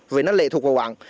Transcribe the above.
vì nó lệ thuộc vào bản